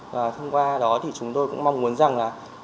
và thông qua đó thì chúng tôi cũng mong muốn rằng là